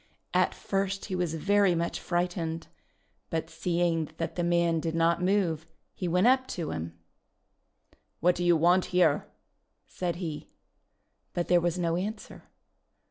At first he was very much frightened, but seeing that the man did not move, he went up to him. 'What do you want here?" said he. But there was no answer.